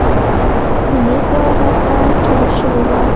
د میز یوه برخه چوله شوې وه.